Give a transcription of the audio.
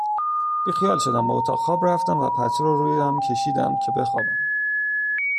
بیخیال شدم به اتاق خواب رفتم و پتو رویم کشیدم که بخوابم